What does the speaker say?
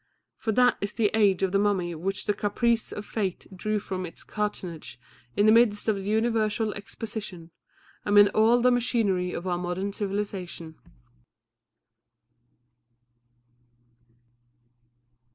For that is the age of the mummy which the caprice of fate drew from its cartonnage in the midst of the Universal Exposition, amid all the machinery of our modern civilisation.